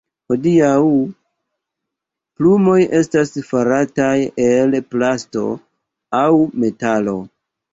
Hodiaŭ, plumoj estas farataj el plasto aŭ metalo.